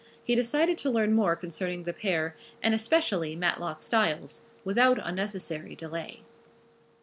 He decided to learn more concerning the pair, and especially Matlock Styles, without unnecessary delay.